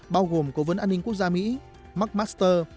bao gồm cố vấn an ninh quốc gia mỹ mark master